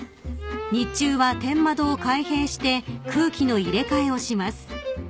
［日中は天窓を開閉して空気の入れ替えをします］